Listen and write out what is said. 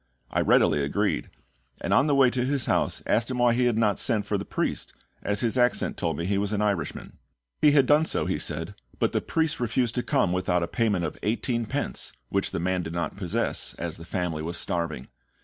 I readily agreed, and on the way to his house asked him why he had not sent for the priest, as his accent told me he was an Irishman. He had done so, he said, but the priest refused to come without a payment of eighteenpence, which the man did not possess, as the family was starving.